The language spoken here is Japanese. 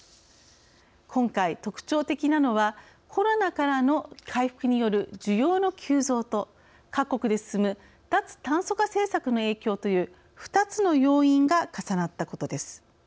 今回、特徴的なのはコロナからの回復による需要の急増と各国で進む脱炭素化政策の影響という２つの要因が重なったことです。